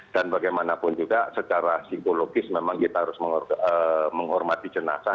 dan bagaimanapun juga secara psikologis memang kita harus menghormati jenazah